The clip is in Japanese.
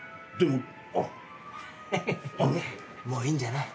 もういいんじゃない？